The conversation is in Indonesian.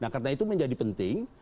karena itu menjadi penting